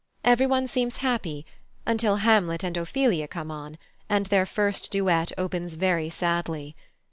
Everyone seems happy until Hamlet and Ophelia come on, and their first duet opens very sadly.